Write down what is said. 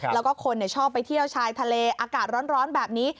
แล้วก็คนชอบไปเที่ยวชายทะเลอากาศร้อนแบบนี้